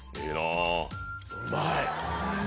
うまい。